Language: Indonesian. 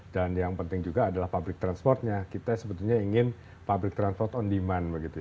dan yang penting juga adalah pabrik transportnya kita sebetulnya ingin pabrik transport on demand